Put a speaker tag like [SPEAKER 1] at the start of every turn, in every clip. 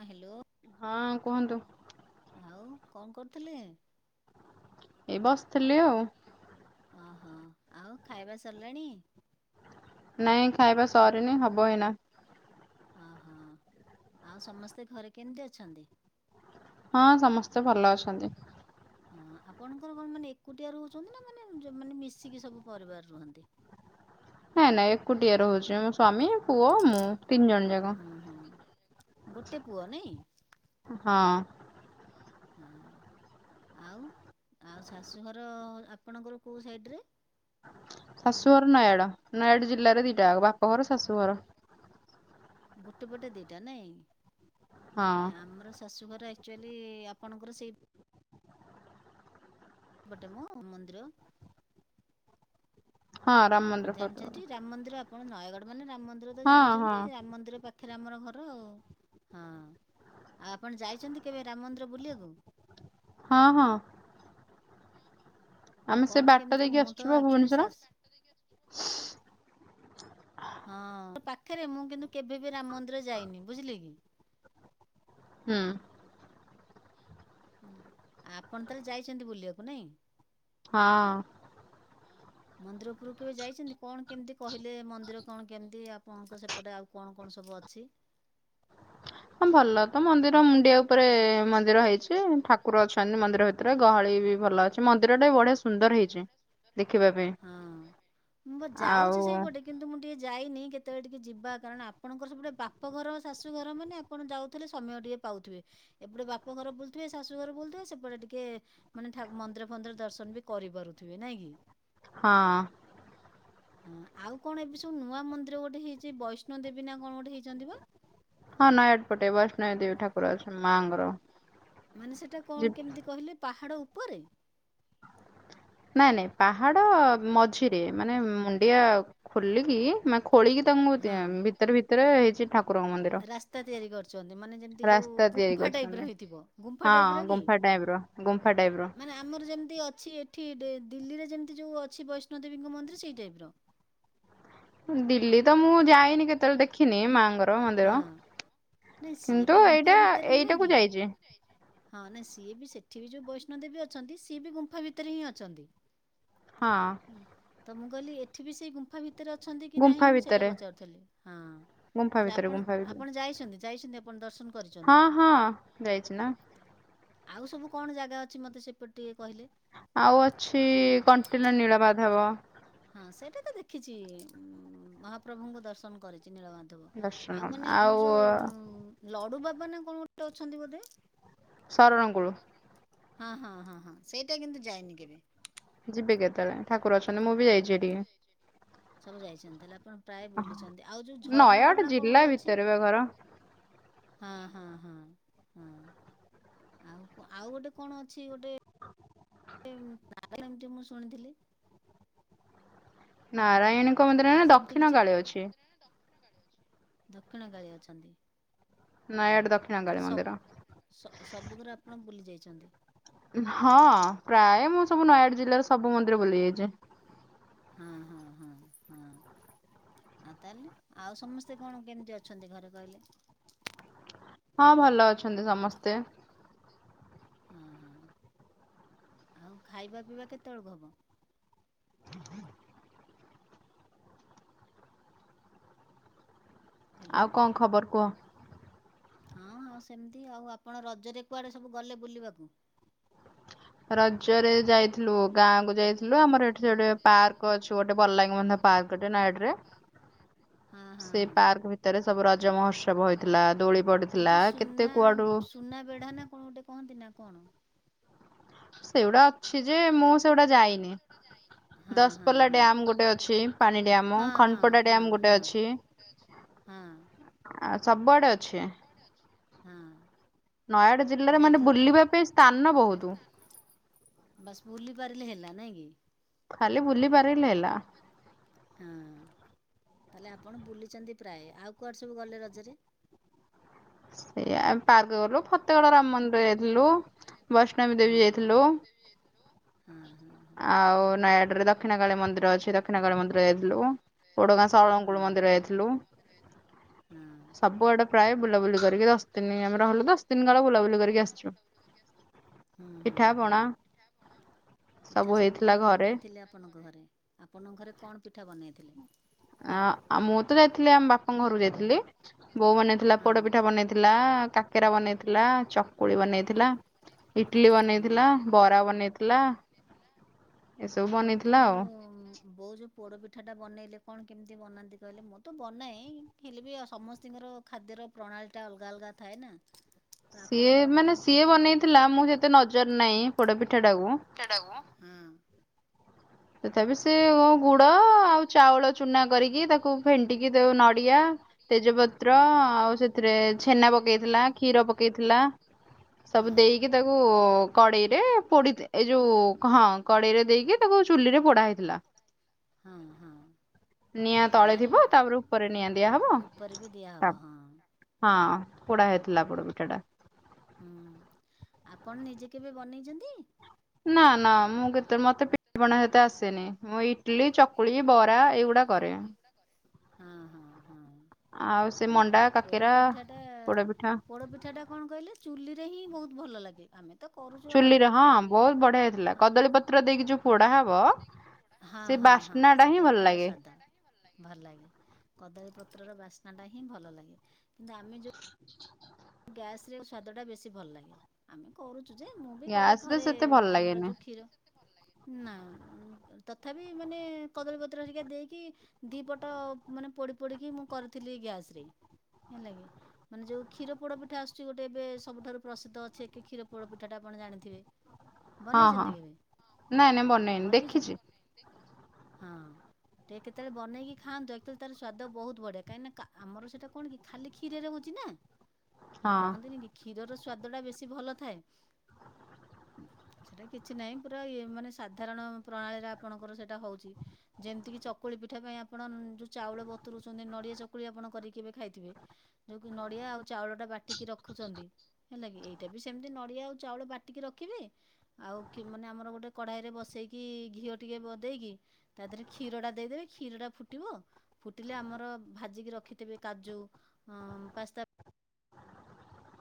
[SPEAKER 1] ହଁ, ହ୍ୟାଲୋ।
[SPEAKER 2] ହଁ, କୁହନ୍ତୁ।
[SPEAKER 1] ଆଉ କଣ କରୁଥିଲେ?
[SPEAKER 2] ଏଇ ବସିଥିଲି ଆଉ।
[SPEAKER 1] ଓ ହଁ ଆଉ ଖାଇବା ସରିଲାଣି?
[SPEAKER 2] ନାଇଁ। ଖାଇବା
[SPEAKER 1] ନାଇଁ
[SPEAKER 2] ସରିନି
[SPEAKER 1] ଖାଇବା
[SPEAKER 2] ହବ ଏଇନା।
[SPEAKER 1] ସରିନି। ଓହୋ ଆଉ ସମସ୍ତେ ଘରେ କେମିତି ଅଛନ୍ତି?
[SPEAKER 2] ହଁ ସମସ୍ତେ ଭଲ ଅଛନ୍ତି।
[SPEAKER 1] ହଁ ଆପଣଙ୍କର କଣ ମାନେ ଏକୁଟିଆ ରହୁଛନ୍ତି ନା ମାନେ ମାନେ ମିଶିକି ସବୁ ପରିବାର ରୁହନ୍ତି?
[SPEAKER 2] ନାଇଁ ନାଇଁ ଏକୁଟିଆ ରହୁଛି ମୋ ସ୍ଵାମୀ, ପୁଅ, ମୁଁ ତିନି ଜଣ ଯାକ।
[SPEAKER 1] ହୁଁ ହୁଁ, ଗୋଟେ ପୁଅ ନାଇଁ?
[SPEAKER 2] ହଁ।
[SPEAKER 1] ହଁ, ଆଉ ଆଉ ଶାଶୁଘର ଆପଣଙ୍କର କଉଁ ସାଇଡ଼ରେ?
[SPEAKER 2] ଶାଶୁ ଘର ନୟାଗଡ଼, ନୟାଗଡ଼ ଜିଲ୍ଲାରେ ଦିଟା ଯାକ ବାପଘର ଶାଶୁଘର।
[SPEAKER 1] ଗୋଟେ ପଟେ ଦିଟା ନାଇଁ
[SPEAKER 2] ହଁ
[SPEAKER 1] ନାଁଇ ଆମର ସ ଶାଶୁଘର ଆକ୍ଚୁଆଲି ଆପଣଙ୍କର ସେଇ ଏପଟେ ମୋ ମନ୍ଦିର
[SPEAKER 2] ହଁ ରାମ ମନ୍ଦିର ଫତେଗଡ଼
[SPEAKER 1] ଜାଣିଛନ୍ତି ରାମ ମନ୍ଦିର ଆପଣ ନୟାଗଡ଼ ମାନେ ରାମ ମନ୍ଦିର ତ
[SPEAKER 2] ହଁ ହଁ
[SPEAKER 1] ଜାଣିଛନ୍ତି ରାମ ମନ୍ଦିର ପାଖ ପାଖରେ ଆମର ଘର ଆଉ ହଁ, ଆଉ ଆପଣ ଯାଇଛନ୍ତି କେବେ ରାମ ମନ୍ଦିର ବୁଲିବାକୁ?
[SPEAKER 2] ହଁ, ହଁ।
[SPEAKER 1] ଆଉ
[SPEAKER 2] ଆମେ ସେ
[SPEAKER 1] କଣ
[SPEAKER 2] ବାଟ
[SPEAKER 1] କେମିତି
[SPEAKER 2] ଦେଇକି
[SPEAKER 1] ମୁଁ ତ
[SPEAKER 2] ଆସିଛୁ ପା
[SPEAKER 1] ଆକ୍ଚୁଆଲି
[SPEAKER 2] ଭୁବନେଶ୍ଵର।
[SPEAKER 1] ଶାଶୁ ହଁ ମୋ ପାଖରେ ମୁଁ କିନ୍ତୁ କେବେ ବି ରାମ ମନ୍ଦିର ଯାଇନି ବୁଝିଲେ କି?
[SPEAKER 2] ହୁଁ।
[SPEAKER 1] ଆପଣ ତାହେଲେ ଯାଇଛନ୍ତି ବୁଲିବାକୁ ନାଇଁ?
[SPEAKER 2] ହଁ।
[SPEAKER 1] ମନ୍ଦିର ଉପରକୁ କେବେ ଯାଇଛନ୍ତି କଣ କେମିତି କହିଲେ ମନ୍ଦିର କଣ କେମିତି ଆପଣଙ୍କ ସେଠ ଏପଟେ ଆଉ କଣ କଣ ସବୁ ଅଛି?
[SPEAKER 2] ହଁ ଭଲ ତ ମନ୍ଦିର ମୁଣ୍ଡିଆ ଉପରେ ମନ୍ଦିର ହେଇଛି ଠାକୁର ଅଛନ୍ତି ମନ୍ଦିର ଭିତ ରେ ଗହଳି ବି ଭଲ ଅଛି ମନ୍ଦିର ଟା ବଢିଆ ସୁନ୍ଦର ହେଇଛି ଦେଖିବା ପାଇଁ।
[SPEAKER 1] ହଁ। ମୁଁ
[SPEAKER 2] ଆଉ
[SPEAKER 1] ଯାଉଛି ସେଇପଟେ କିନ୍ତୁ ମୁଁ ଟିକେ ଯାଇନି କେତେବେଳେ ଟିକେ ଯିବା କାରଣ ଆପଣଙ୍କର ସେ ପଟେ ବାପଘର ଶାଶୁ ଘର ମାନେ ଆପଣ ଯାଉଥିଲେ ସମୟ ଟିକେ ପାଉଥିବେ ଏପଟେ ବାପା ଘର ବୁଲୁଥିବେ ଶାଶୁ ଘର ବୁଲଥିବେ ସେପଟେ ଟିକେ ମାନେ ଠା ମନ୍ଦିର ଫନ୍ଦିର ଦର୍ଶନ ବି କରିପାରୁଥିବେ ନାଇଁ କି?
[SPEAKER 2] ହଁ।
[SPEAKER 1] ହଁ ଆଉ କଣ ଏବେ ସବୁ ନୂଆ ମନ୍ଦିର ଗୋଟେ ହେଇଛି ବୈଷ୍ଣ ଦେବୀ ନା କଣ ଗୋଟେ ହେଇଛନ୍ତି ବା?
[SPEAKER 2] ହଁ ନୟାଗଡ଼ ପଟେ ବୈଷ୍ଣବ ଦେବୀ ଠାକୁର ଅଛନ୍ତି, ମାଆଙ୍କର।
[SPEAKER 1] ମାନେ ସେଟା
[SPEAKER 2] ଯି
[SPEAKER 1] କଣ କେମିତି କହିଲେ ପାହାଡ଼ ଉପରେ?
[SPEAKER 2] ନାଇଁ, ନାଇଁ ପାହାଡ ମଝିରେ ମାନେ ମୁଣ୍ଡିଆ ଖୋଲିକି ମାନେ ଖୋଳିକି ତାଙ୍କୁ
[SPEAKER 1] ହଁ।
[SPEAKER 2] ଭିତରେ ଭିତରେ ହେଇଛି ଠାକୁ କୁରଙ୍କ ମନ୍ଦିର
[SPEAKER 1] ରାସ୍ତା ତିଆରି କରିଛନ୍ତି ମାନେ ଯେମିତି ଯୋଉ
[SPEAKER 2] ରାସ୍ତା ତିଆରି
[SPEAKER 1] ଗୁମ୍ଫା ଟାଇପ ର
[SPEAKER 2] କରଛନ୍ତି,
[SPEAKER 1] ହେଇଥିବ ଗୁମ୍ଫା
[SPEAKER 2] ହଁ
[SPEAKER 1] ଟାଇପ ର କି?
[SPEAKER 2] ଗୁମ୍ଫା ଟାଇପର। ଗୁମ୍ଫା ଟାଇପର।
[SPEAKER 1] ମାନେ ଆମର ଯେମିତି ଅଛି ଏଠି ଦେ ଦିଲ୍ଲୀରେ ଯେମିତି ଯଉ ଅଛି ବୈଷ୍ଣବଦେବୀଙ୍କ ମନ୍ଦିର ସେଇ ଟାଇପ୍ର।
[SPEAKER 2] ଦିଲ୍ଲୀ ତ ମୁଁ ଯାଇନି କେତେବେଳେ ଦେଖିନି ମାଆଙ୍କର ମନ୍ଦିର।
[SPEAKER 1] ନାଇ ସିଏ
[SPEAKER 2] କିନ୍ତୁ
[SPEAKER 1] ବି ଗୁମ୍ଫା
[SPEAKER 2] ଏଇଟା
[SPEAKER 1] ଭିତରେ ନୁହଁ
[SPEAKER 2] ଏଇଟାକୁ
[SPEAKER 1] କି?
[SPEAKER 2] ଯାଇଛି
[SPEAKER 1] ହଁ ନାଇଁ ସିଏ ବି ସେଠି ବି ଯୋଉ ବୈଷ୍ଣବ ଦେବୀ ଅଛନ୍ତି, ସିଏ ବି ଗୁମ୍ଫା ଭିତରେ ହିଁ ଅଛନ୍ତି।
[SPEAKER 2] ହଁ।
[SPEAKER 1] ହୁଁ, ତ ମୁଁ କହିଲି ଏଠି ବି ସେଇ ଗୁମ୍ଫା ଭିତରେ ଅଛନ୍ତି କି
[SPEAKER 2] ଗୁମ୍ଫା
[SPEAKER 1] ନାହିଁ ମୁଁ ସେଟା
[SPEAKER 2] ଭିତରେ।
[SPEAKER 1] ପଚାରୁଥିଲି, ହଁ
[SPEAKER 2] ଗୁମ୍ଫା
[SPEAKER 1] ତାହେଲେ
[SPEAKER 2] ଭିତରେ
[SPEAKER 1] ଆପଣ
[SPEAKER 2] ଗୁମ୍ଫା ଭିତରେ
[SPEAKER 1] ଆପଣ ଯାଇଛନ୍ତି ଯାଇଛନ୍ତି ଆ ପଣ ଦର୍ଶନ
[SPEAKER 2] ହଁ
[SPEAKER 1] କରିଛନ୍ତି।
[SPEAKER 2] ହଁ ଯାଇଛି ନା।
[SPEAKER 1] ଆଉ ସବୁ କଣ ଜାଗା ଅଛି ମୋତେ ସେପଟେ ଟିକେ କହିଲେ?
[SPEAKER 2] ଆଉ ଅଛି କଣ୍ଟିିଲ ନୀଳମାଧବ।
[SPEAKER 1] ହଁ ସେଇଟା ତ ଦେଖିଛି, ମହାପ୍ରଭୁଙ୍କୁ ଦର୍ଶନ କରିଛି ନୀଳମା ଦେବ ଆଉ ମାନେ ଆମର ଯେଉଁ ଲଡୁ ବାବା ନା କଣ ଗୋଟେ ଅଛନ୍ତି ବୋଧେ?
[SPEAKER 2] ଶରଣକୁଳୁ
[SPEAKER 1] ହଁ, ହଁ, ହଁ, ହଁ, ସେଇଟା କିନ୍ତୁ ଯାଇନି କେବେ।
[SPEAKER 2] ଯିବେ କେତେବେଳେ ଠାକୁର ଅଛନ୍ତି ମୁଁ ବି ଯାଇଛି ହେଟିକି।
[SPEAKER 1] ସବୁ ଯାଇଛନ୍ତି ହେଲେ ଆପଣ ପ୍ରାୟ ବୁଲିଛନ୍ତି। ଆଉ ଯୋଉ ଝରଣା
[SPEAKER 2] ନୟାଗଡ଼
[SPEAKER 1] ଫରଣା କଣ
[SPEAKER 2] ଜିଲ୍ଲା
[SPEAKER 1] ଗୋଟେ ଅଛି?
[SPEAKER 2] ଭିତରେ ବା ଘର।
[SPEAKER 1] ହଁ, ହଁ, ହଁ, ହଁ। ଆଉ ଆଉ ଗୋଟେ କଣ ଅଛି ଗୋଟେ [inaudible] ଟି ମୁଁ ଶୁଣିଥିଲି।
[SPEAKER 2] ନାରାୟଣୀଙ୍କ ମନ୍ଦିର ନା
[SPEAKER 1] ସେମିତି
[SPEAKER 2] ଦକ୍ଷିଣ
[SPEAKER 1] କିଛି
[SPEAKER 2] କାଳି ଅଛି।
[SPEAKER 1] ଦକ୍ଷିଣ କାଳୀ ଅଛନ୍ତି। ଅଁ,
[SPEAKER 2] ନୟାଗଡ଼
[SPEAKER 1] ହଁ
[SPEAKER 2] ଦକ୍ଷିଣ କାଳୀ
[SPEAKER 1] ତାହେଲେ
[SPEAKER 2] ମନ୍ଦିର।
[SPEAKER 1] ସବୁ ସ-ସବୁ ଗୁରା ଆପଣ ବୁଲି ଯାଇଛନ୍ତି।
[SPEAKER 2] ହଁ ପ୍ରାୟ ମୁଁ ସବୁ ନୟାଗଡ଼ ଜିଲ୍ଲାର ସବୁ ମନ୍ଦିର ବୁଲିଯାଇଚି।
[SPEAKER 1] ହଁ, ହଁ, ହଁ, ହଁ। ଆଉ ତାଲେ ଆଉ ସମସ୍ତେ କଣ କେମିତି ଅଛନ୍ତି ଘରେ କହିଲେ?
[SPEAKER 2] ହଁ ଭଲ ଅଛନ୍ତି ସମସ୍ତେ।
[SPEAKER 1] ହଁ, ହଁ ଆଉ ଖାଇବା ପିଇବା କେତେବେଳକୁ ହବ? ହ୍ୟାଲୋ।
[SPEAKER 2] ଆଉ କଣ ଖବର
[SPEAKER 1] ହଁ,
[SPEAKER 2] କୁହ?
[SPEAKER 1] ହଁ ସେମିତି ଆଉ, ଆପଣ ରଜରେ କୁଆଡେ ସବୁ ଗଲେ ବୁଲିବାକୁ?
[SPEAKER 2] ରଜରେ ଯାଇ ଥିଲୁ। ଗାଁକୁୁ ଯାଇଥିଲୁ, ଆମର ଏଠି ସେଟି ପାର୍କ ଅଛୁ ଗୋଟେ ବଲାଙ୍ଗୀ ମନ୍ଧା ପାର୍କ ଟେ ନୟାଗଡ ରେ।
[SPEAKER 1] ହଁ ହଁ
[SPEAKER 2] ସେ
[SPEAKER 1] ହଁ।
[SPEAKER 2] ପାର୍କ ଭିତରେ ସବୁ ରଜ ମହୋତ୍ସବ ହୋଇଥିଲା। ଦୋଳି
[SPEAKER 1] ଏ
[SPEAKER 2] ପଡିଥିଲା,
[SPEAKER 1] ଯୋଉ
[SPEAKER 2] କେତେ
[SPEAKER 1] ସୁନା
[SPEAKER 2] କୁଆଡୁ
[SPEAKER 1] ସୁନା ବେଢ଼ା ନା କଣ ଗୋଟେ କହନ୍ତି ନା କଣ?
[SPEAKER 2] ସେଉଡା
[SPEAKER 1] ହଁ, ହଁ,
[SPEAKER 2] ଦଶପଲ୍ଲା
[SPEAKER 1] ହଁ।
[SPEAKER 2] ଡ୍ୟାମ ଗୋଟେ ଅଛି
[SPEAKER 1] ହଁ,
[SPEAKER 2] ପାଣି ଡ୍ୟାମ
[SPEAKER 1] ହଁ,
[SPEAKER 2] ଖନପଡା ଡ୍ୟାମ ଗୋଟେ
[SPEAKER 1] ହଁ,
[SPEAKER 2] ଅଛି।
[SPEAKER 1] ହଁ, ହଁ।
[SPEAKER 2] ଆଉ ସବୁଆଡେ ଅ
[SPEAKER 1] ହଁ।
[SPEAKER 2] ନୟାଗଡ଼ ଜିଲ୍ଲାରେ ମାନେ ବୁଲିବା ପାଇଁ ସ୍ଥାନ ବହୁତୁ।
[SPEAKER 1] ବାସ୍ ବୁଲି ପାରିଲେ ହେଲା ନାଇ କି?
[SPEAKER 2] ଖାଲି ବୁଲି ପାରିଲେ ହେଲା।
[SPEAKER 1] ହଁ ତାହେଲେ ଆପଣ ବୁଲିଛନ୍ତି ପ୍ରାୟ। ଆଉ କୁଆଡେ ସବୁ ଗଲେ ରଜରେ?
[SPEAKER 2] ସେଇଆ ଆମେ ପାର୍କ ଗଲୁ। ଫତେଗଡ ରାମ ମନ୍ଦିର ଯାଇଥିଲୁ। ବୈଷ୍ଣବୀ ଦେବୀ ଯାଇଥିଲୁ।
[SPEAKER 1] ହଁ, ହଁ।
[SPEAKER 2] ଆଉ ନୟାଗଡରେ ଦକ୍ଷିଣ କାଳୀ ମନ୍ଦିର ଅଛି। ଦକ୍ଷିଣ କାଳୀ ମନ୍ଦିର ଯଇଥିଲୁ। ଓଡଗାଁ ସଳଙ୍କୁଳୁ ମନ୍ଦିର ଯାଇଥିଲୁ।
[SPEAKER 1] ହଁ।
[SPEAKER 2] ସବୁଆଡେ ପ୍ରାୟ ବୁଲାବୁଲି କରିକି ଦଶ ଦିନ ଆମେ ରହିଲୁ। ଦଶ ଦିନ କାଳ ବୁଲାବୁଲି କରିକି ଆସିଛୁ।
[SPEAKER 1] ହୁଁ ହୁଁ
[SPEAKER 2] ପିଠା
[SPEAKER 1] ହୁଁ
[SPEAKER 2] ପଣା।
[SPEAKER 1] ପିଠା ସବୁ
[SPEAKER 2] ହେଇଥିଲା
[SPEAKER 1] କଣ
[SPEAKER 2] ଘରେ।
[SPEAKER 1] ବନେଇଥିଲେ ଆପଣଙ୍କ ଘରେ? ଆପଣଙ୍କ ଘରେ କଣ ପିଠା ବନେଇଥିଲେ?
[SPEAKER 2] ଆ, ଆ, ମୁଁ ତ ଯାଇଥିଲି ଆମ ବାପଙ୍କ ଘରକୁ ଯାଇଥିଲି। ବୋଉ ବନେଇଥିଲା
[SPEAKER 1] ବୋଉ
[SPEAKER 2] ପୋଡପିଠା, ବନେଇଥିଲା କାକେରା ବନେଇଥିଲା, ଚକୁଳି ବନେଇଥିଲା। ଇଟିଲି ବନେଇଥିଲା, ବରା ବନେଇଥିଲା ଏସବୁ
[SPEAKER 1] ଆପଣଙ୍କର
[SPEAKER 2] ବନେଇଥିଲା ଆଉ।
[SPEAKER 1] ଯୋଉ ବୋଉ ଯୋଉ ପୋଡ଼ ପିଠାଟା ବନେଇଲେ କଣ କେମିତି ବନାନ୍ତି କହିଲେ? ମୁଁ ତ ବନାଏ ହେଲେ ବି ଆ, ସମସ୍ତିଙ୍କର ଖାଦ୍ୟର ପ୍ରଣାଳୀଟା ଅଲଗା ଅଲଗା ଥାଏ ନା। ତ
[SPEAKER 2] ସିଏ
[SPEAKER 1] ଆପଣଙ୍କର କଣ
[SPEAKER 2] ମାନେ ସିଏ
[SPEAKER 1] କେମିତି ବନେଇଥିଲେ?
[SPEAKER 2] ବନେଇଥିଲା ମୁଁ ସେତେ ନଜର ନାଇଁ ପୋଡପିଠା ଟାକୁ।
[SPEAKER 1] ହୁଁ।
[SPEAKER 2] ତଥାପି ସେ ଓ ଗୁଡ, ଆଉ ଚାଉଳ ଚୁନା କରିକି ତାକୁ ଫେଣ୍ଟିକି ଦଉ ନଡିଆ ତେଜପତ୍ର,
[SPEAKER 1] ହଁ
[SPEAKER 2] ଆଉ ସେଥିରେ ଛେନା ପକେଇଥିଲା,
[SPEAKER 1] ଛେନା
[SPEAKER 2] କ୍ଷୀର
[SPEAKER 1] କ୍ଷୀର
[SPEAKER 2] ପକେଇଥିଲା।
[SPEAKER 1] ପକେଇଥିଲା।
[SPEAKER 2] ସବୁ
[SPEAKER 1] ହଁ
[SPEAKER 2] ଦେଇକି ତାକୁ କଡେଇରେ ପୋଡି ଦେ, ଏଇ ଯୋଉ କ- ହଁ କଡେଇରେ ଦେଇକି ତାକୁ ଚୁଲି ରେ ପୋଡା ହେଇଥିଲା।
[SPEAKER 1] ହଁ, ହଁ। ଆଉ
[SPEAKER 2] ନିଆଁ ତଳେ
[SPEAKER 1] ଗାଁରେ
[SPEAKER 2] ଥିବ ତାପରେ ଉପରେ ନିଆଁ ଦିଆହବ।
[SPEAKER 1] ଉପରେ ବି
[SPEAKER 2] ତା
[SPEAKER 1] ଦିଆହବ ହଁ
[SPEAKER 2] ହଁ ପୋଡା ହେଇଥିଲା ପୋଡ ପିଠାଟା।
[SPEAKER 1] ହୁଁ ଆପଣ ନିଜେ କେବେ ବନେଇଛନ୍ତି?
[SPEAKER 2] ନା ନା ମୁଁ କେତେ ମତେ ପି ଠା ପଣା ଏତେ ଆସେନି। ମୁଁ ଇଟିଲି, ଚକୁଳି, ବରା ଏଇଗୁଡା କରେ।
[SPEAKER 1] ହଁ ହଁ ହଁ
[SPEAKER 2] ଆଉ ସେ
[SPEAKER 1] ନାଇଁ
[SPEAKER 2] ମଣ୍ଡା
[SPEAKER 1] ପୋ ପୋଡ଼
[SPEAKER 2] କାକେରା
[SPEAKER 1] ପିଠାଟା-ଆ-ଆ
[SPEAKER 2] ପୋଡ ପିଠା
[SPEAKER 1] ପୋଡ଼ ପିଠାଟା କଣ କହିଲେ ଚୁଲିରେ ହିଁ ବହୁତୁ ଭଲ ଲାଗେ ଆମେ। ତ କରୁଛୁ ଆଉ
[SPEAKER 2] ଚୁଲିରେ ହଁ ବହୁତୁ ବଢିଆ ହେଇଥିଲା। କଦଳୀ
[SPEAKER 1] ବହୁତ
[SPEAKER 2] ପତ୍ର ଦେଇକି ଯୋଉ ପୋଡା ହବ।
[SPEAKER 1] ହଁ
[SPEAKER 2] ସେ
[SPEAKER 1] ହଁ ହଁ
[SPEAKER 2] ବାସ୍ନା ଟା
[SPEAKER 1] ସେଟା ହିଁ
[SPEAKER 2] ଭଲ
[SPEAKER 1] ତାର
[SPEAKER 2] ଲାଗେ
[SPEAKER 1] ସ୍ୱାଦା। ଭଲ ଲାଗେ, କଦଳୀ ପତ୍ରର ବାସ୍ନା ଟା ହିଁ ଭଲ ଲାଗେ। କିନ୍ତୁ ଆମେ ଯୋଉ ଗ୍ୟାସ ରେ ସ୍ୱାଦ ଟା ବେଶୀ ଭଲ ଲାଗେ। ଆମେ କରୁଛୁ ଯେ ମୁଁ ବି କରେ
[SPEAKER 2] ଗ୍ୟାସ ରେ ସେତେ ଭଲ
[SPEAKER 1] ଘରେ-ଏ-ଏ ଆମର
[SPEAKER 2] ଲାଗେନି
[SPEAKER 1] ଯୋଉ କ୍ଷୀର ନା। ତଥାପି ମାନେ କଦଳୀପତ୍ର ହେରିକା ଦେଇକି ଦି ପଟ ମାନେ ପୋଡି ପୋଡିକି ମୁଁ କରିଥିଲି ଗ୍ୟାସ ରେ। ହେଲାକି ମାନେ ଯୋଉ କ୍ଷୀର ପୋଡ ପିଠା ଆସୁଛି ଗୋଟେ ଏବେ ସବୁଠାରୁ ପ୍ରସିଦ୍ଧ ଅଛି ଏକ କ୍ଷୀର ପୋଡ ପିଠା ଟା ଆପଣ ଜାଣିଥିବେ।
[SPEAKER 2] ହଁ ହଁ
[SPEAKER 1] ବନେଇଛନ୍ତି କେବେ
[SPEAKER 2] ନାଇଁ ନାଇଁ ବନେଇନି ଦେଖିଛି
[SPEAKER 1] ବନେଇଛନ୍ତି? ହଁ। ଟିକେ କେତେବେଳେ ବନେଇକି ଖଆନ୍ତୁ ଆକ୍ଚୁଲି ତାର ସ୍ୱାଦ ବହୁତ ବଢିଆ। କହିଁନା କା ଆମର ସେଟା କଣ କି ଖାଲି କ୍ଷୀରରେ ହେଉଛି ନା। ଯୋଉ
[SPEAKER 2] ହଁ
[SPEAKER 1] କହନ୍ତିନି କି କ୍ଷୀରର ସ୍ଵାଦ ଟା ବେଶୀ ଭଲ ଥାଏ। ସେଇଟା କିଛି ନାହିଁ। ପୁରା ଇଏ ମାନେ ସାଧାରଣ ପ୍ରଣାଳୀରେ ଆପଣଙ୍କର ସେଇଟା ହେଉଛି। ଯେମିତିକି ଚକୁଳି ପିଠା ପାଇଁ ଆପଣ ନ ଯୋଉ ଚାଉଳ ବତରୁଉଛନ୍ତି ନଡିଆ ଚକୁଳି ଆପଣ କରିକି କେବେ ଖାଇଥିବେ। ଯୋଉ କି ନଡିଆ ଆଉ ଚାଉଳ ଟା ବାଟିକି ରଖୁଛନ୍ତି। ହେଲା କିି ଏଇଟା ବି ସେମିତି ନଡ଼ିଆ ଆଉ ଚାଉଳ ବାଟିକି ରଖିବେ। ଆଉ କେ ମାନେ ଆମର ଗୋଟେ କଢ଼ାଇରେ ବସେଇକି ଘିଅ ଟିକେ ବ ଦେଇକି ତା ଦେହରେ କ୍ଷୀରଟା ଦେଇଦେବେ କ୍ଷୀରଟା ଫୁଟିବ। ଫୁଟିଲେ ଆମର ଭାଜିକି ରଖିଥିବେ କାଜୁ, ପାସ୍ତା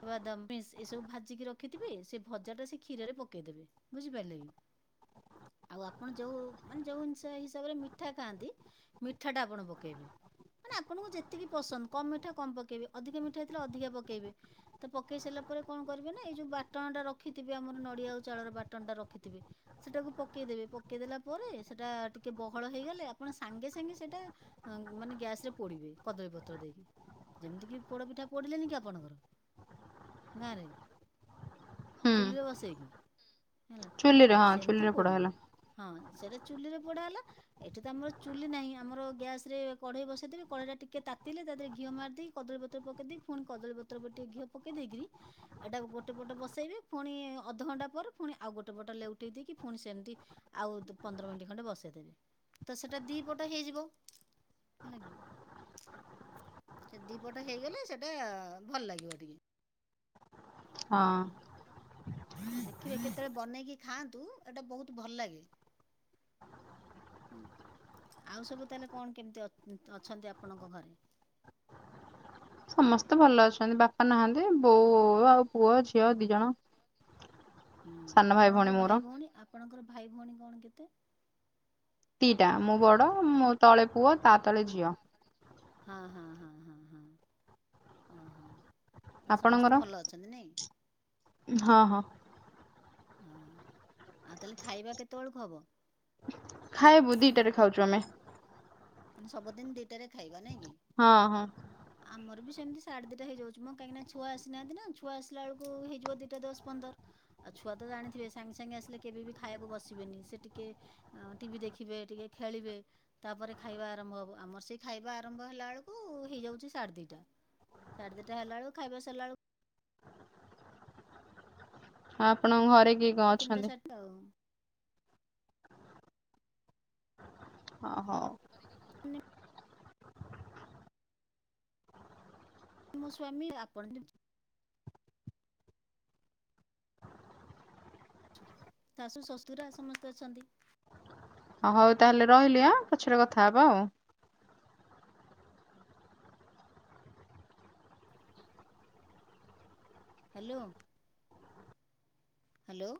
[SPEAKER 1] ବାଦାମ ଏ ଏସବୁ ଭାଜିକି ରଖିଥିବେ ସେ ଭଜାଟା ସେ କ୍ଷୀରରେ ପକେଇଦେବେ। ବୁଝିପାରିଲେ କି ଆଉ ଆପଣ ଯୋଉ ମାନେ ଯୋଉ ଜିନିଷ ହିସାବରେ ମିଠା ଖାଆନ୍ତି ମିଠାଟା ଆପଣ ପକେଇବେ। ମାନେ ଆପଣଙ୍କୁ ଯେତିକି ପସନ୍ଦ କମ୍ ମିଠା କମ୍ ପକେଇବେ ଅଧିକ ମିଠା ହେଇଥିଲା ଅଧିକା ପକେଇବେ। ତ ପକେଇ ସାରିଲା ପରେ କଣ କରିବେ ନା ଏଇ ଯୋଉ ବାଟଣ ଟା ରଖିଥିବେ ଆମର ନଡିଆ ଆଉ ଚାଉଳର ବାଟଣ ଟା ରଖିଥିବେ ସେଟାକୁ ପକେଇଦେବେ ପକେଇଦେଲା ପରେ ସେଟା ଟିକେ ବହଳ ହେଇଗଲେ ଆପଣ ସାଙ୍ଗେ ସାଙ୍ଗେ ସେଇଟା ଅ ମାନେ ଗ୍ୟାସ ରେ ପୋଡିବେ କଦଳୀ ପତ୍ର ଦେଇକି। ଯେମିତି କିି ପୋଡପିଠା ପୋଡିଲେନି କି ଆପଣଙ୍କର ଗାଁରେ
[SPEAKER 2] ହୁଁ
[SPEAKER 1] ଚୁଲିରେ ବସେଇକି। ହେଲା
[SPEAKER 2] ଚୁଲିରେ
[SPEAKER 1] ବାସ୍
[SPEAKER 2] ହଁ
[SPEAKER 1] ସେମିତି
[SPEAKER 2] ଚୁଲିରେ ପୋଡା
[SPEAKER 1] ପୋଡିଲେ।
[SPEAKER 2] ହେଲା
[SPEAKER 1] ହଁ ସେଟା ଚୁଲିରେ ପୋଡା ହେଲା। ଏଠି ତ ଆମର ଚୁଲି ନାହିଁ ଆମର ଗ୍ୟାସ ରେ କଢେଇ ବସେଇଦେବେ କଢେଇ ଟା ଟିକେ ତାତିଲେ ତାହରେ ଘିଅ ମାରିଦେଇ କଦଳୀ ପତ୍ର ପକେଇ ଦେଇ ପୁଣି କଦଳୀପତ୍ର ଉପରେ ଟିକେ ଘିଅ ପକେଇ ଦେଇକିରି ଏଇଟା ଗୋଟେ ପଟ ବସେଇବେ। ପୁଣି-ଇ-ଇ-ଇ ଅଧଘଣ୍ଟା ପରେ ପୁଣି ଆଉ ଗୋଟେ ପଟ ଲେଉଟେଇ ଦେଇକି ପୁଣି ସେମିତି ଆଉତ୍ ପନ୍ଦର ମିନିଟ୍ ଖଣ୍ଡେ ବସେଇଦେବେ ତ ସେଟା ଦି ପଟ ହେଇଯିବ। ହେଲାକି, ସେ ଦିପଟ ହେଇଗଲେ ସେଟା-ଆ ଭଲ ଲାଗିବ ଟିକେ।
[SPEAKER 2] ହଁ
[SPEAKER 1] ଦେଖିବେ କେତେବେଳେ ବନେଇକି ଖାଆନ୍ତୁ ଏଇଟା ବହୁତ ଭଲ ଲାଗେ। ଆଉ ସବୁ ତାହେଲେ କଣ କେମିତି ଅଛ୍ ଅଛନ୍ତି ଆପଣଙ୍କ ଘରେ?
[SPEAKER 2] ସମସ୍ତେ ଭଲ ଅଛନ୍ତି ବାପା ନାହାନ୍ତି ବୋଉ ଆଉ ପୁଅ ଝିଅ ଦି ଜଣ।
[SPEAKER 1] ହୁଁ
[SPEAKER 2] ସାନ ଭଉଣୀ
[SPEAKER 1] ଆପଣଙ୍କର
[SPEAKER 2] ମୋର
[SPEAKER 1] ଭାଇ, ଭଉଣୀ ଆପଣଙ୍କର ଭାଇ ଭଉଣୀ କଣ କେତେ?
[SPEAKER 2] ଦିଟା ମୁଁ ବଡ ମୋ ତଳେ ପୁଅ ତା ତଳେ ଝିଅ।
[SPEAKER 1] ହଁ ହଁ ହଁ ହଁ ହଁ ହଁ ହଁ।
[SPEAKER 2] ଆପଣଙ୍କର? ହଁ ହଁ।
[SPEAKER 1] ହଁ ଆଉ ତାହେଲେ ଖାଇବା କେତେବେଳକୁ ହେବ।
[SPEAKER 2] ଖାଇବୁ ଦିଟାରେ ଖାଉଛୁ ଆମେ।
[SPEAKER 1] ମାନେ ସବଦିନ ଦିଟାରେ ଖାଇବା ନାଇଁ। କି?
[SPEAKER 2] ହଁ ହଁ।
[SPEAKER 1] ଆମର ବି ସେମିତି ସାଢ଼େ ଦିଟା ହେଇଯାଉଛି ମ କାହିଁକି ନା ଛୁଆ ଆସିନାହାନ୍ତି ନା ଛୁଆ ଆସିଲା ବଳକୁ ହେଇଯିବ ଦିଟା ଦଶ ପନ୍ଦର। ଆଉ ଛୁଆ ତ ଜାଣିଥିବେ ସାଙ୍ଗେ ସାଙ୍ଗେ ଆସିଲେ କେବେ ବି ଖାଇବାକୁ ବସିବେନି ସେ ଟିକେ ଆ ଟିଭି ଦେଖିବେ ଟିକେ ଖେଳିବେ ତାପରେ ଖାଇବା ଆରମ୍ଭ ହବ ଆମର ସେ ଖାଇବା ଆରମ୍ଭ ହେଲା ବେଳକୁ ହେଇଯାଉଛି ସାଢ଼େ ଦିଇଟା। ସାଢେ ଦିଟା ହେଲା ବଳକୁ ଖାଇବା ସଲାବେଳକୁ
[SPEAKER 2] ଆପଣଙ୍କ ଘରେ କିଏ କି
[SPEAKER 1] ତିନିଟା ସାର୍ଟ ଆଉ।
[SPEAKER 2] ହ ହଉ।
[SPEAKER 1] [unintelligible] ମୋ ସ୍ଵାମୀ ଆପଣ ଯ ଶାଶୁ ଶ୍ୱଶୁରା ସମସ୍ତେ ଅଛନ୍ତି।
[SPEAKER 2] ହ ହଉ ତାହେଲେ ରହିଲି ଆ ପଛରେ କଥା ହବା ଆଉ।
[SPEAKER 1] Hello hello.